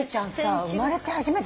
生まれて初めて？